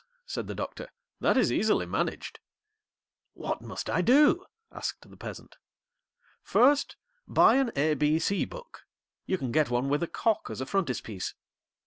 said the Doctor; 'that is easily managed.' 'What must I do?' asked the Peasant. 'First buy an ABC book; you can get one with a cock as a frontispiece.